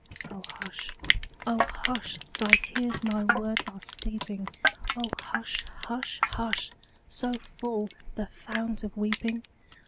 O hush, O hush! Thy tears my words are steeping. O hush, hush, hush! So full, the fount of weeping?